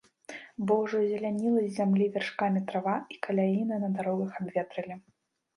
Бо ўжо зеляніла з зямлі вяршкамі трава, і каляіны на дарогах абветралі.